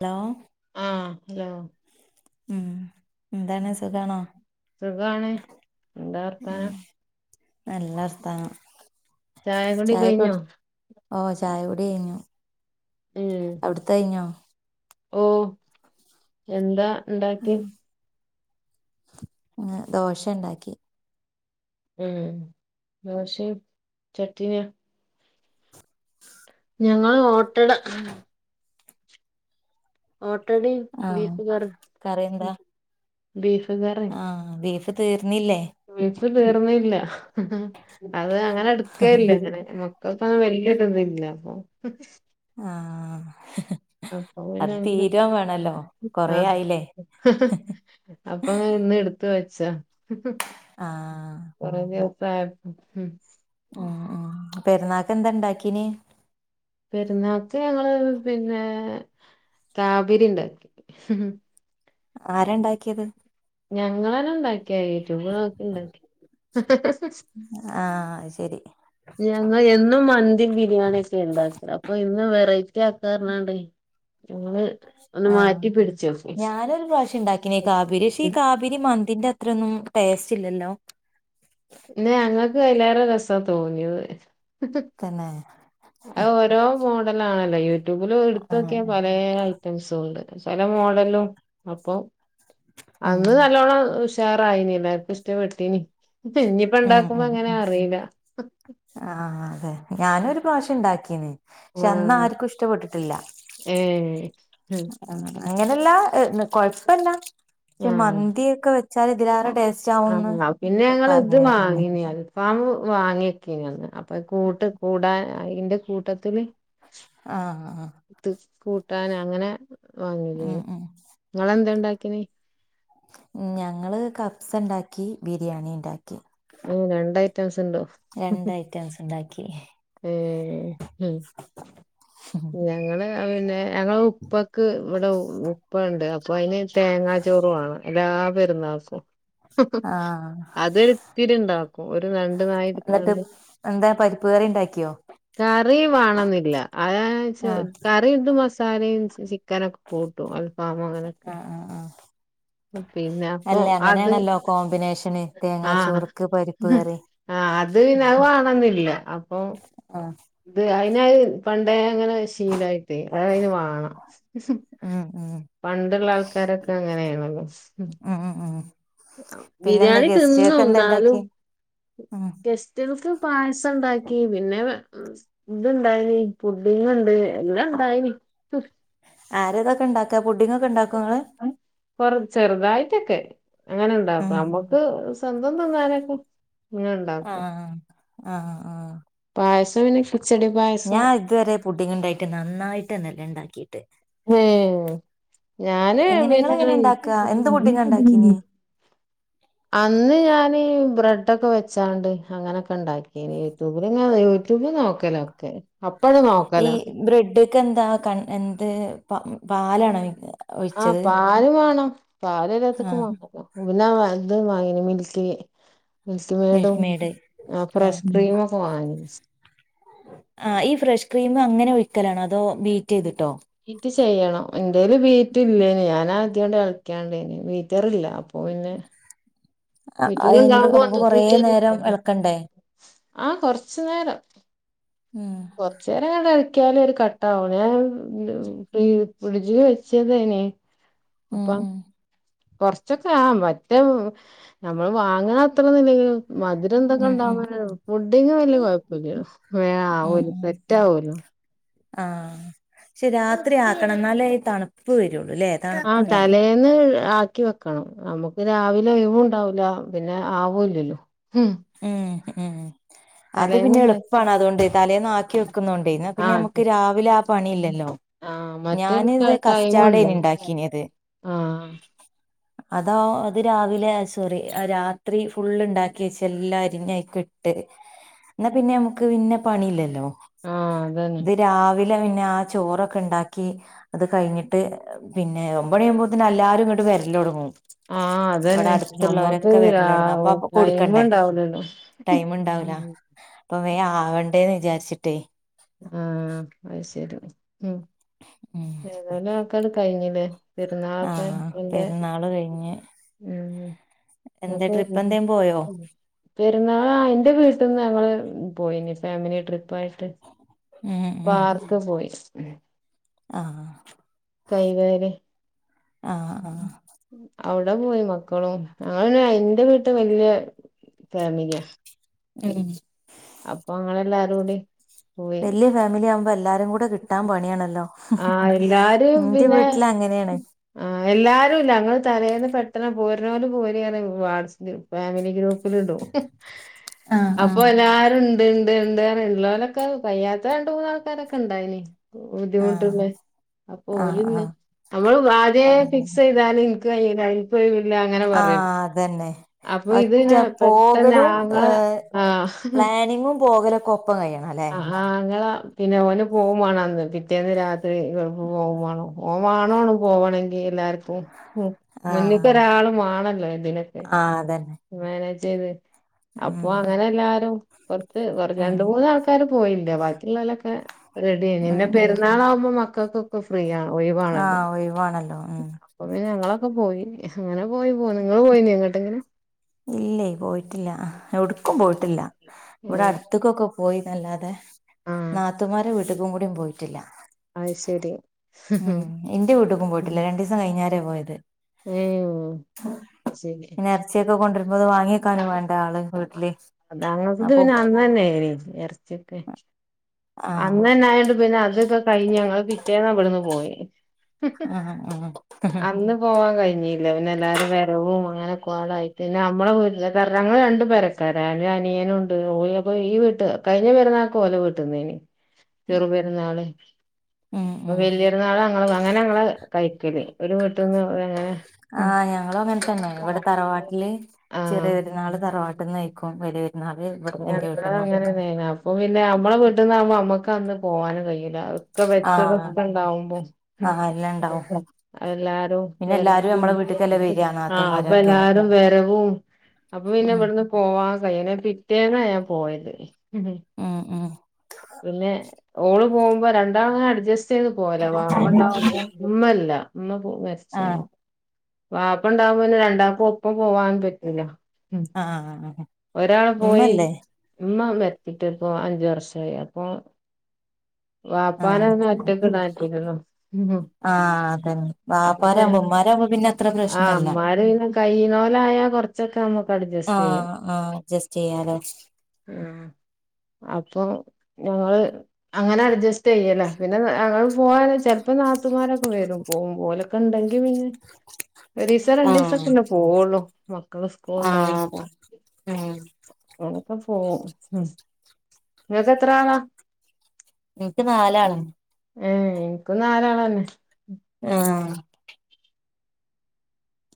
Hello ആഹ് hello ഉം എന്താണ് സുഖാണോ സുഖമാണോ എന്താ ഉം വർത്താനം നല്ല വർത്താനം ചായ കുടി കഴിഞ്ഞോ ഓ ചായ കുടി കഴിഞ്ഞു അവിടുത്തെ കഴിഞ്ഞോ ഓ എന്താ ഇണ്ടാക്കി ദോശ ഇണ്ടാക്കി [inaudible] ഞങ്ങൾ ഓട്ടട ഓട്ടടയും ആഹ് ബീഫ് കറി ബീഫ് കറി ആ ബീഫ് [inaudible] ബീഫ് തീർന്നില്ല അഹഅതങ്ങനെ എടുക്കുകയില്ല അങ്ങനെ അവസാനം വലുതൊന്നുമില്ല അപ്പൊ ആ ആ അപ്പൊ പിന്നെ അങ്ങനെ വേണല്ലോ കൊറേ ആയില്ലേ അപ്പൊ ഇന്ന് എടു ത്ത വച്ഛാ ആ ആ [inaudible] ആ ആ പെരുന്നാൾ എന്താ ഉണ്ടാക്കിയന് പെരുന്നാൾക്ക് ഞങ്ങളെ പിന്നെ താബിരി ഉണ്ടാക്കി ആരാ ഇണ്ടാക്കിയത് ഞങ്ങളെന്നെ ണ്ടാക്ക്യ യുട്ടൂബ് നോക്കി ണ്ടാക്ക്യ ആഹ് അത് ശരി ഞങ്ങ എന്നും മന്തി ബിരിയാണി യൊക്കെ ഇണ്ടാക്കല് അപ്പ ഇന്ന് വെറൈറ്റിആക്കർഞാണ്ട് ആ പിടിച്ചു ഞാനൊരു പ്രാവശ്യം ണ്ടാക്കിനി കാബി രി ക്ഷെ ഈ കാബിരി മന്തിന്റെ അത് ത്രന്നും ടേസ്റ്റ് ഇല്ലല്ലോ നല്ല രസ തോന്നിയത് തന്നെ അഹ് ഓരോ മോഡൽ ആണല്ലോ യു ട്യൂബിൽ എടുത്തു നോക്കിയ ആഹ് പലേ ഐറ്റംസ് ഉണ്ട് പല മോഡലും അപ്പോ ഉം അന്ന് നല്ലോണം ഷ് ഉഷാറായിഞ്ഞി എല്ലാർക്കും ഇഷ്ടപ്പെട്ടിഞ്ഞി ഇപ്പൊ ഇഞ്ഞി ഇപ്പ ഉം ഉം ണ്ടാകുമ്പങ്ങെനെ ഉം അറിയില ആഹ് അതെ ഞാനൊരു പ്രാവശ്യം ഉണ്ടാക്കിനി ശ്ശ അന്ന് ആഹ് ആർക്കും ഇഷ്ടപ്പെട്ടിട്ടില്ല ഏഹ് ആ അങ്ങനല്ലാ ഹ് ന്ന് കൊയപ്പല്ല കെ മന്തിയൊകെ വെക് ചാല് ഇതിലേറെ ടേസ് അന്ന പിന്നെ ഞങ്ങള്ത് വാങ്ങിനി അൽ ഫാമ് വാങ്ങികീഞ്ഞി അന്ന് അപം കൂട്ട് കൂടാൻ അയിന്റെ കൂടെ തില് ആഹ് ആഹ് ത് കൂട്ടാന് അങ്ങനെ ഉം വാങ്ങ്യതേഞ്ഞി ഉം ങ്ങളെന്തേ ണ്ടാക് കോയി ഞങ്ങള് കപ്സണ്ടാകി ബിര്യാണിണ്ടാ ഏ രണ്ടൈറ്റംസ്ണ്ടോ രണ്ട് ഐറ്റംസ് ഉണ്ടാക്കി ഏ ഏ എ ഞങ്ങള് അ പിന്നെ ഞങ്ങളെ ഉപക് ഇവിടെ ഉപ്പണ്ട് അ പൊയമീൻ തേങ്ങാചോറ് വേണം എല്ലാ പെരുന്നാകും ആഹ് അതൊര്തിരി ണ്ടാകും ഒര് രണ്ട് എന്നിട്ട് നായിട്താണ്ട് എന്താ പരിപ്പ് കറി ഉണ്ടാക്കിയോ കറി വാണന്നില്ല ആ ചോ ആഹ് കറിന്തെ മസാലയും ചിക് ക്കനൊകെ കൂട്ടും അൽഫാമ് അങ്ങനൊകെ ആഹ് ആഹ് ആഹ് അല്ല പിന്നെപം അത് അങ്ങനെയാണല്ലോ കോമ്പിനേഷന് ആ തേങ്ങാച്ചോർക്ക് പരിപ്പ് കറി ആ അത് വേണന്നില്ല അപം ആഹ് ത് അയിന അഅ പണ്ടേ അങ്ങനെ ശീലായിട് അത്അതിന് വേണം മ് ഉം ഉം പണ്ട്ള്ള ആൾകാരൊകെ അങ്ങനാണല്ലോ ഉം ഉം ഉം പിന്നെന്താ ബിര്യാണി ഗസ്റ്റ്കൾക്ക് തിന്നും എന്താ ന്നാലും ഇണ്ടാക്കി ഉം ഗസ്റ്റൾക് പായസണ്ടാകി പിന്നെ ത് ണ്ടായിനി പുഡ്ഡിങ്ങ്ണ്ട് എല്ലണ്ടായിനി ആരാതൊകെണ്ടാകാ പുഡ്ഡിങ്ങൊകെണ്ടാകോങ്ങള് കൊർ ചെറ്തായിട്ടൊകെ അങ്ങനെണ്ടാകും ആഹ് അമ്മക് സ്വന്തം തിന്നാനൊകെ ത ആ ആ ആ ത് പിന്നെ ഇശ് ഞാ ഇതുവരെ പുഡിങ് ഇണ്ടാകീട്ട് നന്നായിട്ടെന്നേ ല്ലാ ങേ ഞാൻ എങ്ങനെ ഇങ്ങള് എങ്ങനെ പിന്നെങ്ങനെ ഇണ്ടാക്കാ എന്ത് പുഡിങ്ങാ ഇണ്ടാക്കീന് അന്ന് ഞാൻ ബ്രെഡ് ഡോക്കെ വെച്ചാണ്ട് അങ്ങനെക്കെ ണ്ടാക്കീന്യേ യൂട്യൂബില് ങ്ങനെ യൂട്യൂബിൽ നോക്കലാ ഒക്കെ ഈ ബ്രഡ്ക്ക് ന്താ ക്ക ന്ത് പ പാലാണോ ഒഴിക്കാ ആ പാൽ വാണം പാൽ എല്ലത്ത്ക്കും ആഹ് വാണ പിന്നാ ആ തും വാങ്ങീനി മിൽക്കി മിൽക്കി മെയ്ഡും മിൽക്ക് മേഡ് ആഹ് ഫ്രഷ് ക്രീമൊക്കെ വാങ്ങി ആ ഈ ഫ്രഷ് ക്രീം അങ്ങനെ ഒഴിക്കലാണോ ഓ ബീറ്റയ്തിട്ടോ ബീറ്റ് ചെയ്യണം ന്റെൽ ബീറ്റ് ഇല്ലെനി ഞാനാ ഇതിനോട് എളക്ക്യാണ്ടേനി ബീറ്ററില്ല അപ്പൊ പിന്നെ അയ്‌ന്റെ മീറ്ററുണ്ടാവുമ്പോ മുമ്പ് ഒന്നും കൊറേ കൂടി ഒരു നേരം എളക്കണ്ടേ ആ കൊറച്ച് നേരം ഉം കൊറച്ചേരങ്ങട് എളക്ക് ക്ക്യാലും ഒരു കട്ടാവാണേ ഞാൻ ഫ്രിഡ്ജ് വെച്ചതേനി ഉം അപ്പം ഉം കോർച്ചൊക്കെ ആ പറ്റെ നമ്മൾ വാങ്ണ അത്രേന്നുല്ലങ്കിലും മധുരം തൊക്കെ ഉം ണ്ടാവുമ്പോ പിന്നെ പുഡിങ് വല്ല്യ ഉം കൊയ്പ്പല്യാ വേം ആവും സെറ്റാവുലോ ആ പക്ഷെ രാത്രി ആക്കണം ന്നാലെ തണുപ്പ് വരുള്ളൂല്ലേ ആ തണുപ്പുണ്ടാവും തലേന്ന് ആക്കി വെ ക്കണം നമ്മക്ക് രാവിലെ ഒഴിവും ണ്ടാവൂല പിന്നെ ആവുല്ലല്ലോ ഉം ഉം ഉം അത് പിന്നെ തലേന്നുണ്ടാക്കിയ എളുപ്പാണ് അതോണ്ട് തലേന്ന് ആക്കി വെക്കുന്നോണ്ടേ ഇന്നാ ആ പിന്നെ രാവിലെ നമ്മക്ക് ആ പണി ഇല്ലല്ലോ ആ മറ്റേ ഞാനതിൽ ടൈം ഉണ്ടോ കസ്റ്റാർഡേനി ഇണ്ടാക്കിയത് ആഹ് അതാ അതിരാവിലെ സോറി രാത്രി ഫുള്ള് ഇണ്ടാക്കി വെച്ച് എല്ലാ അരിഞ് അയ്കിട്ട് ന്നാ പിന്നെ നമ്മക്ക് പിന്നെ പണി ഇല്ലല്ലോ ആഹ് അതന്നെ ത് രാവിലെ ല്ലേ പിന്നെ ആ ചോറൊക്കെ ണ്ടാക്കി അത് കഴിഞ്ഞിട്ട് പിന്നെ ഒമ്പതണിയാവുമ്പോത്തിന് എല്ലാരും ങ്ങട് വരലോട്ങ്ങും ആ അതന്നെ നമ്മക്കിത് രാവിലെ ടൈം ഉണ്ടാവൂലല്ലോ ടൈമുണ്ടവൂല ഉം അപ്പൊ വേം ആവണ്ടേ [unintelligible] വിചാരിച്ചിട്ടേ ആ അയ്ശരി ഉം ഉം ഏതാലും ആള്ക്കാര് കഴിഞ്ഞു ല്ലേ പെരുന്നാള് ആഹ് പെരുന്നാള് കഴിഞ്ഞ് എന്താ ട്രിപ്പ് എന്തേലും പോയോ ന്റെ വീട്ടിൽ നിന്നാ ഞങ്ങള് പോയീന് ഫാമിലി ട്രിപ്പ്‌ ആയിട്ട് ഉം ഉം പാർക്ക് പോയി [inaudible] [unintelligible] ആഹ് കൈകാര് ആഹ് ആഹ് അവിടെ പോയി മക്കളും ഞങ്ങള് ന്റെ വീട്ടിൽ വല്യ ഫാമിലി ആ ഉം അപ്പോ ഞങ്ങൾ എല്ലാരും കൂടി പോയി വല്യ ഫാമിലി ആവുമ്പൊ എല്ലാ ല്ലാരും കൂടെ കിട്ടാൻ പണി ആണല്ലോ ആഹ് എല്ലാരും പിന്നെ അങ്ങനെയാണ് ആഹ് എല്ലാരുല്ല ഞങ്ങള് തന്നെ തലേന്ന് പെട്ടന്ന് പോരണോര് പോര് പറഞ്ഞു വാട്സ്ആപ്പ് ഫാമിലി ഗ്രൂപ്പില് ഇടും ഹ് ആഹ് അപ്പൊ ആഹ് എല്ലാരും ഇണ്ട് ഇണ്ട് ഇണ്ടാരുന്ന് ഉള്ളോരൊക്കെ വയ്യാത്ത രണ്ടു മുന്ന് ആൾകാർ ഒക്കെ ഇണ്ടായ്ന് ബുദ്ധിമുട്ട് [unintelligible] അപ്പൊ ആഹ് ആഹ് ഓലില്ലേ ആഹ് നമ്മള് വാലേ ആഹ് ഫിക്സ് ആഹ് ചെയ്താലും [unintelligible] ഇപ്പോ ഒയിവില്ല അങ്ങനെ പറയും അതന്നെ അപ്പൊ ഇത് ഒറ്റ പെട്ടെന്ന് പോവലും ഏ ആങ്ങള ആഹ് പ്ലാനിങ്ങും പോകലൊക്കോ ആഹ് ഹാ ആങ്ങള പിന്നെ ഓന് പോകും വേണന്ന് പിറ്റേന്ന് രാത്രി വെളുക്കുമ്പോ പോവും വാണം ഓൻ [unintelligible] പോവാണോങ്കി എല്ലാർ ഉം ഹും ആഹ് മുന്നിക്കൊരു ആള് വാണല്ലോ ഇതിനൊക്കെ ആഹ് അതന്നെ മനേജ്ജ് ചെയ്ത് അപ്പോ ഉം അങ്ങനെ എല്ലാരും പൊറത്ത് കുറ ഉം രണ്ടു മുന്ന് ആൾകാര് പോയില്ല ബാക്കിയുള്ളോലൊക്കെ റെഡിയയ്നി ഉം പിന്നെ ഉം പെരുന്നാളാവുമ്പൊ മക്ക ക്കക്കൊക്കെ ഫ്രീയാ ഒഴിവാണല്ലോ ആഹ് ഒഴിവാണല്ലോ ഉം അപ്പൊ പിന്നെ ഞങ്ങള് ഇപ്പൊ പോയി അങ്ങനെ പോയി പോന്ന് ങ്ങള് പോയില്ലേ എങ്ങട്ടേലും ഇല്ലേ പോയിട്ടില്ല എവിടുക്കും പോയിട്ടില്ല ഇവിടെ ഉം അടുത്തുക്കൊക്കെ പോയി പിന്നല്ലാതെ ആഹ് നാത്തൂൻമാരുടെ വീട്ടിക്കും കൂടി പോയിട്ടില്ല. അത് ശരി ഉം എന്റെ വീട്ട്ക്കും പോയിട്ടില്ല രണ്ടിസം കഴിഞ്ഞാ ന്നെ പോയത് ഞ്ഞെയു ശരി കൊണ്ടരുമ്പത് വാങ്ങിവെക്കാനു വേ പത്താ ക്ലാസ്ത്തെല് അന്നനേനി എർ ച്ചിട്ടെ ആഹ് അന്നന്നെയൊണ്ട് പിന്നെ അതൊക്കെ കഴിഞ്ഞ് ഞങ്ങള് പി റ്റേന്നാ വിടുന്ന് പോയെ ആഹ് ആഹ് അന്ന് പോവാൻ കഴി ഞ്ഞി ലെവന്ന് എല്ലാരും വരവും അങ്ങനെ കൊളായിട്ട് പിന്നെ നമ്മളവീട്ടില് [unintelligible] ഞങ്ങളുരണ്ടും പേരക്കാര ഒരനിയനുണ്ട് ഓല് ഇപ്പൊ ഈ വീട്ട് കഴിഞ്ഞ പെരുന്നാൾക്ക് ഓലെ വീട്ടുന്നയ്നി ചെറുപ്പെരുന്നാള് ഉം ഇപ്പ ഉം വല്ല്യ പെരുന്നാളാ ങ്ങള് അങ്ങനെ ഇങ്ങള് കഴിക്കല് ഒരു [unintelligible] അങ്ങനെ ആ ഞങ്ങളു അങ്ങനെതന്നെ ഇവിടെ തറവാട്ടില് ചെറിയപ്പെരുന്നാള് തറവാട്ടിന്ന് [unintelligible] എപ്പഴാ [unintelligible] അപ്പൊ പിന്നെ നമ്മള വീട്ടീന്നാവുമ്പോ മ്മക്ക് പ്പവന്ന് പോവാനും കയ്യും ഇതാ ഒക്കെ വച്ചതും ആഹ് ഒക്കെ ഉണ്ടാവുമ്പം ആഹ് എല്ലാം ഇണ്ടാവും മ് എല്ലാരും പിന്നെ എല്ലാരും നമ്മളെ വീട്ട്ക്കല്ലേ വരാ [unintelligible] ആ അപ്പ നാത്തൂമാരൊക്കെ എല്ലാരും വരവും അപ്പ ഉം ഇവിടുന്നു പോവാൻ [unintelligible] റ്റേന്ന ഞാപോയത് മ് പിന്നെ ഓള് പോവുമ്പോ രണ്ടാമതെടു ജെസ് [unintelligible] വാപ്പയുണ്ടാകുപോൾ ഉമ്മല്ല ള്ള പൂ ആഹ് വരച്ചീണോ വാപ്പ ഉണ്ടാവൂലെ രണ്ടാക്കും ഒപ്പം പോവാൻ പറ്റൂല മ് ആഹ് ഒരാള് പോയി ഉമ്മല്ലേ ഉമ്മാമ്മേ യിട്ട് പ്പോ അഞ്ചു വർഷം ആയി അപ്പോ വാപ്പാനെ പിന്നെ ആഹ് ഒറ്റക്ക്ടാൻ പറ്റൂലല്ലോ ആഹ് അതന്നെ [unintelligible] വാപ്പാരാവുമ്പോ ഉമ്മാരാവുമ്പോ പിന്നെ അത്ര പ്രശ്നല്ല അമ്മാര് പിന്നെ കയ്യിണോലായാ കൊറച്ചൊക്കെ നമ്മുക്ക് അഡ്ജസ്റ്റ് ചെയ്യാം ആഹ് ആഹ് അഡ്ജസ്റ്റ് ചെയ്യാലോ അപ്പൊ ഞങ്ങള് അങ്ങനെ അഡ്ജസ്റ്റ് ചെയ്യല പിന്നെ ഞങ്ങള് പോവാണേ ചെലപ്പോ നാത്തൂമാരൊക്കെ വരും പോവുമ്പം ഒലൊക്കെണ്ടെങ്കി പിന്നെ ഒരീസോ രണ്ടീസോ ആഹ് പിന്നെ പോവുള്ളൂ ക്കള് സ്‌കൂളുണ്ടായാൽ ആഹ് അതെ ഉം [unintelligible] പോവും മ് ങ്ങക്കെത്ര ആളാ? ൻക്ക് നാലാള ഏ ൻക്കും നാലാളെന്നെ ആ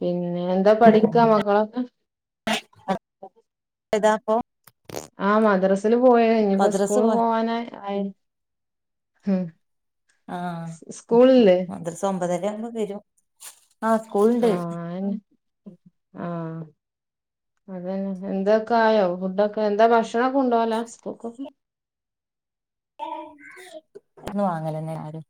പിന്നെ എന്താ പഠിക്കുവാ മക്കളൊക്കെ? ഇതാപ്പം ആ മദ്രസ്സ് നു പോയതാ ഇഞ് മദ്രസ് സ്കൂളു പോ പോകാൻ ആയി ഉം ആ സ് സ്കൂളില്ലേ മദ്രസ്സ് ഒമ്പതര [unintelligible] വരും. ആ സ്കൂളുണ്ട്. ആ അത് തന്നെ. എന്തൊക്കായോ ഫുഡ് ഒക്കെ. എന്താ ഭക്ഷണം കൊണ്ട് പോലാ സ്കൂളി എന്നും വാങ്ങല്ന്നെ എല്ലാരും.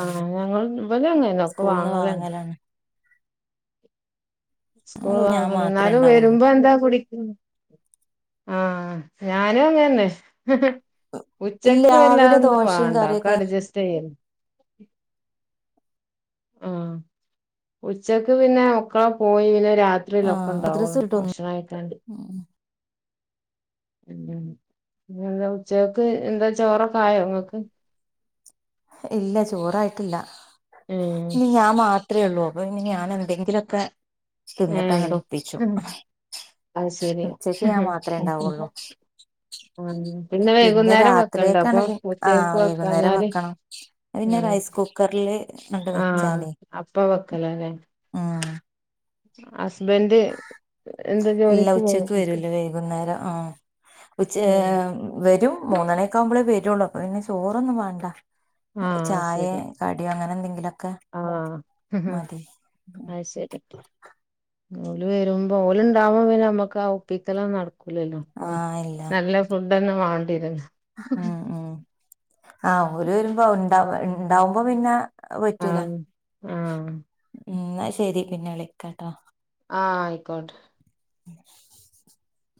ആ. ഞങ്ങള് ഇവരും അങ്ങനാ. ക്കെ വാങ്ങലാണ്. സ്കൂള് അത് ഞാൻ വാങ്ങല്. മാത്രമേ എന്നാലും ഉണ്ടാവുള്ളൂ വരുമ്പം എന്താ കുടി മ് ആ ഞാനും അങ്ങനെ. മ്മ്ഹ് ഇല്ല ഉച്ചക്ക് രാവിലെ വല്ലാതോന്നും ദോശയും വേണ്ട ഒക്കെ കറിയൊക്കെ അഡ്ജസ്റ്റ് ചെയ്യും [inaudible] ആ. ഉച്ചക്ക് പിന്നെ ഒക്ക പോയി. പിന്നെ... രാത്രിയിൽ ആഹ് മദ്രസ ഒപ്പണ്ടാവുള്ളൂ. വിട്ടൊന്ന് ഭക്ഷണം കഴിക്കാണ്ട് ഉം ഉം. പിന്നെന്താ ഉച്ചക്ക് എന്താ ചോറൊക്കെ ആയോ നിങ്ങക്ക്. ഇല്ല ചോറായിട്ടില്ല ഏഹ് ഇനി ഞാൻ മാത്രമേ ഉള്ളു ഇപ്പഞ്ഞി ഞാനെന്തങ്കിലോക്കെ എന്നിട്ടങ്ങണ്ടോപ്പിച്ചൂ. ഏഹ് അത് ശരി ഉച്ചക്ക് ഞാൻ മാത്രമേ ഉം ഉണ്ടാവുള്ളൂ. ഉം. പിന്നെ ഇന്ന് വൈകുന്നേരം വെക്കണ്ടോ അപ്പൊ രാത്രിയേക്കാണങ്കിൽ ആ ഉച്ചക്ക് വൈകുന്നേരം വെക്കാഞ്ഞാല് വക്കണം. അത് പിന്നെ ഉം റൈസ് കുക്കറില് അങ്ണ്ട് ആഹ് വെച്ചാൽ. അപ്പ ഉം... ഹസ്... ഇല്ല പോണ് ഉച്ചക്കു വരില്ല വൈകുന്നേരം ആ... ഉച്ച ഉം ആ.... വരും മൂന്നു മണി ഒക്കെ ആകുമ്പഴേ വരുള്ളൂ. അപ്പം പിന്നെ ചോറൊന്നും വാണ്ടാ. ചായ, കടി അങ്ങനെന്തെങ്കിലും ആ... മ്മ്ഹ്ഹ്... അത് ശരി ഓല് വരുമ്പം ഓല് ഉണ്ടാവുമ്പം നമുക്കാ ഒപ്പിക്കലൊന്നും നടക്കൂ ല.... [inaudible] ക്കൂലല്ലോ. ആ നല്ലഫുഡ്‌ ഒന്നും മാണ്ടി വെരുംന്ന് എ... യേ... ആ... ഓര് വരുമ്പോ ഉണ്ടാ... ഉണ്ടാവുമ്പോ പിന്നെ അത് പറ്റൂലാ ആഹ് ആഹ് ആഹ് എന്നാ ശരി പിന്നെ വിളിക്കാ... ട്ടോ... ആ... ആയിക്കോട്ടേ. [unintelligible] [inaudible]